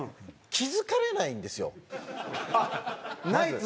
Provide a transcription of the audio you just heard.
気付かれないんですよ。